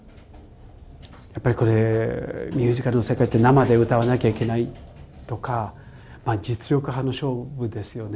やっぱりこれ、ミュージカルの世界って生で歌わなきゃいけないとか、実力派の勝負ですよね。